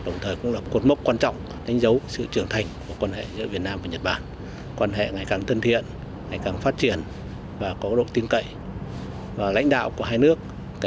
nó là minh chứng hùng hồ nhất cho sự phát triển quan hệ hai nước